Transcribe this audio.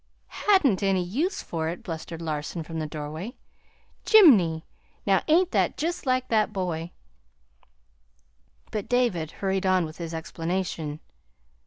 "'Hadn't any use for it'!" blustered Larson from the doorway. "Jiminy! Now, ain't that jest like that boy?" But David hurried on with his explanation.